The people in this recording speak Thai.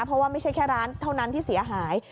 เพราะว่าไม่ใช่แค่ร้านเท่านั้นที่เสียหาย